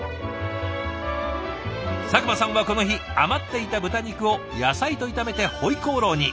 佐久間さんはこの日余っていた豚肉を野菜と炒めてホイコーローに。